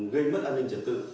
gây mất an ninh trật tự